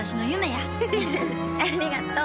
ありがとう。